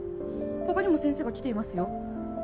他にも先生が来ていますよ